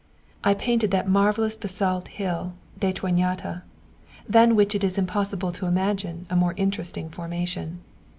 I painted that marvellous basalt hill Detonátá, than which it is impossible to imagine a more interesting formation.